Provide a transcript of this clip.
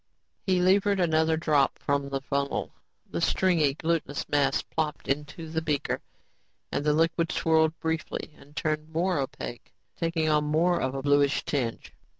He levered another drop from the funnel. The stringy, glutenous mass plopped into the beaker and the liquid swirled briefly and turned more opaque, taking on more of a bluish tinge.